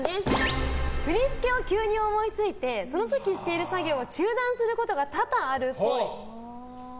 振り付けを急に思いついてその時している作業を中断することが多々あるっぽい。